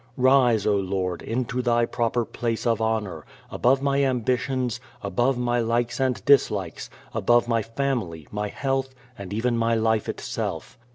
Rise, O Lord, into Thy proper place of honor, above my ambitions, above my likes and dislikes, above my family, my health and even my life itself.